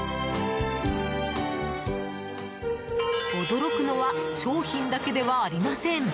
驚くのは商品だけではありません。